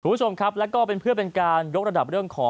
คุณผู้ชมครับแล้วก็เป็นเพื่อเป็นการยกระดับเรื่องของ